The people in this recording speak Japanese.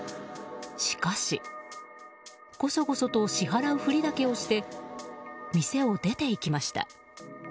しかし、ごそごそと支払うふりだけをして店を出て行きました。